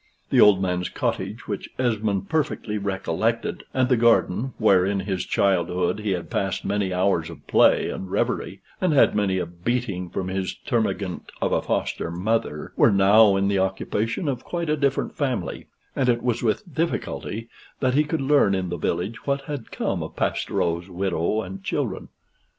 The old man's cottage, which Esmond perfectly recollected, and the garden (where in his childhood he had passed many hours of play and reverie, and had many a beating from his termagant of a foster mother), were now in the occupation of quite a different family; and it was with difficulty that he could learn in the village what had come of Pastoureau's widow and children.